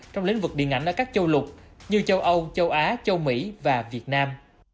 trong lĩnh vực điện ảnh ở các châu lục như châu âu châu á châu mỹ và việt nam